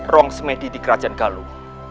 ruang semedi di kerajaan galuh